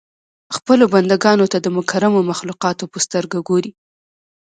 خپلو بنده ګانو ته د مکرمو مخلوقاتو په سترګه ګوري.